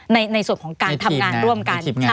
ในส่วนของการทำงานร่วมกัน